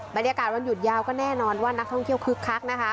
บรรยากาศวันหยุดยาวก็แน่นอนว่านักท่องเที่ยวคึกคักนะคะ